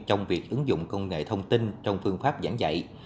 trong việc ứng dụng công nghệ thông tin trong phương pháp giảng dạy